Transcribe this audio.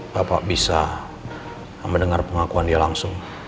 bapak bisa mendengar pengakuan dia langsung